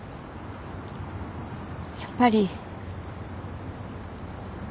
やっぱり。